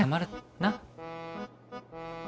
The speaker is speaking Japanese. なっ。